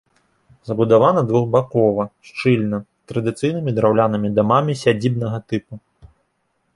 Забудавана двухбакова, шчыльна традыцыйнымі драўлянымі дамамі сядзібнага тыпу.